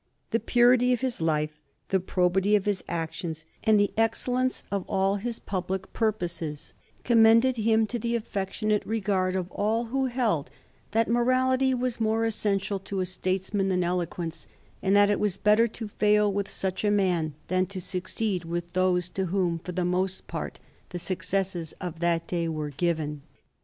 The purity of his life, the probity of his actions, and the excellence of all his public purposes, commended him to the affectionate regard of all who held that morality was more essential to a statesman than eloquence, and that it was better to fail with such a man than to succeed with those to whom, for the most part, the successes of that day were given.